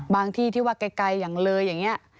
ที่ที่ว่าไกลอย่างเลยอย่างนี้